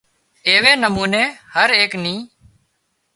ايوي نموني هري ايڪ نِي